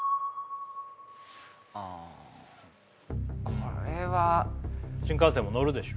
これは新幹線も乗るでしょ